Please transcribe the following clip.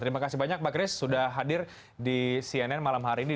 terima kasih banyak pak chris sudah hadir di cnn malam hari ini